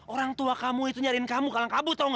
orang tua kamu itu nyariin kamu kalang kabut tau gak